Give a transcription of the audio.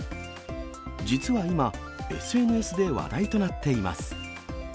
実は今、ＳＮＳで話題となっています。